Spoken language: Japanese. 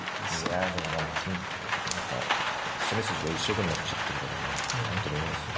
いやでも何か金何か攻め筋が一色になっちゃってるから何とも言えないですよ。